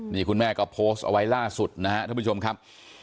นี่คุณแม่ก็โพสต์เอาไว้ล่าสุดนะครับท่านผู้ชมครับ